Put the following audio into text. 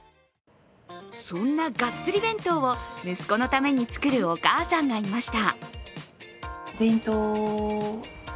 そんながっつり弁当を息子のために作るお母さんがいました。